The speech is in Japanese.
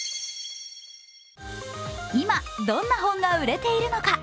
今どんな本が売れているのか。